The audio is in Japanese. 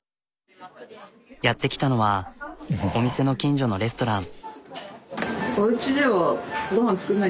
やって来たのはお店の近所のレストラン。